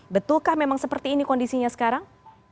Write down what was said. betulkah memang seperti ini kondisinya sekarang